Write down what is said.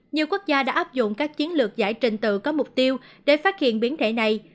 nhiều quốc gia đã áp dụng các chiến lược giải trình tự có mục tiêu để phát hiện biến thể này